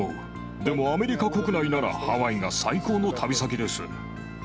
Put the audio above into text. でもアメリカ国内ならハワイが最高の旅先です。